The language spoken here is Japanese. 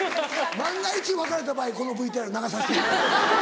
万が一別れた場合このＶＴＲ流させていただきます。